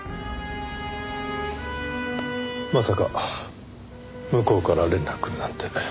まさか向こうから連絡くるなんて。